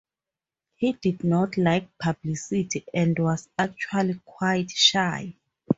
He did not like publicity and was actually quite shy...